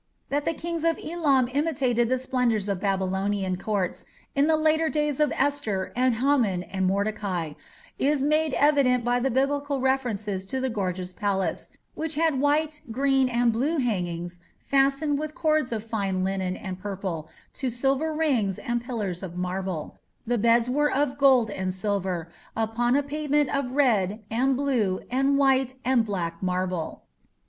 That the kings of Elam imitated the splendours of Babylonian courts in the later days of Esther and Haman and Mordecai, is made evident by the Biblical references to the gorgeous palace, which had "white, green, and blue hangings, fastened with cords of fine linen and purple to silver rings and pillars of marble; the beds were of gold and silver, upon a pavement of red, and blue, and white, and black marble